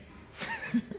フフフフ。